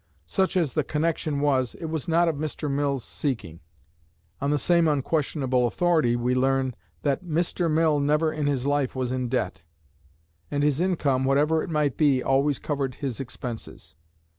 Such as the connection was, it was not of Mr. Mill's seeking." On the same unquestionable authority we learn, that "Mr. Mill never in his life was in debt, and his income, whatever it might be, always covered his expenses."